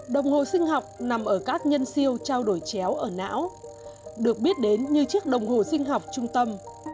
đồng hồ sinh học nằm ở các nhân siêu trao đổi chéo ở não được biết đến như chiếc đồng hồ sinh học trung tâm